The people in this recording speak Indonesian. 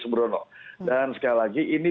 subrono dan sekali lagi ini